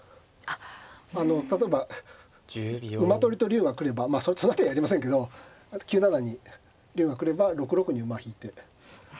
例えば馬取りと竜が来ればまあそんな手やりませんけど９七に竜が来れば６六に馬引いて。